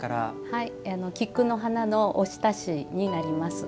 菊の花のおひたしになります。